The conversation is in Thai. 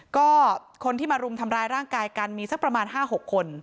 ก็คนที่มารุมทำร้ายร่างกายกันมีสักประมาณ๕๖คน